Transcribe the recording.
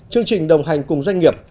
chương trình đồng hành cùng doanh nghiệp